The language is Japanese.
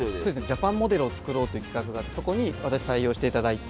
ジャパンモデルをつくろうという企画があってそこに私採用して頂いて。